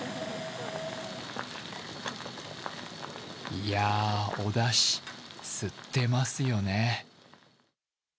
いや、おだし吸ってますよね。